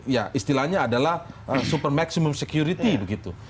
ya istilahnya adalah super maximum security begitu